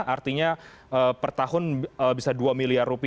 artinya per tahun bisa dua miliar